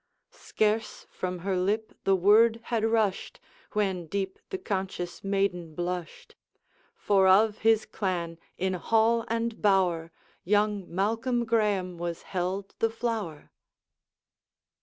Scarce from her lip the word had rushed, When deep the conscious maiden blushed; For of his clan, in hall and bower, Young Malcolm Graeme was held the flower.